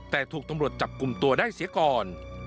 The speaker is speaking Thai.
แต่ถูกตำรวจจับกลุ่มตัวได้เสียก่อน